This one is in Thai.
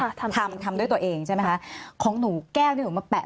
ทำทำด้วยตัวเองใช่ไหมคะของหนูแก้วที่หนูมาแปะ